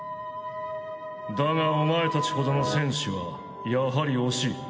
だがお前たちほどの戦士はやはり惜しい。